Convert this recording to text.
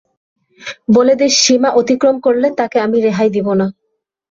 বলে দিস সীমা অতিক্রম করলে, তাকে আমি রেহাই দিবো না।